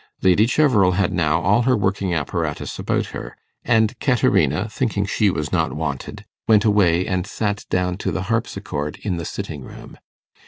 Lady Cheverel had now all her working apparatus about her, and Caterina, thinking she was not wanted, went away and sat down to the harpsichord in the sitting room.